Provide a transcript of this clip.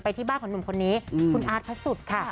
ที่บ้านของหนุ่มคนนี้คุณอาร์ตพระสุทธิ์ค่ะ